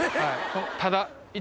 ただ。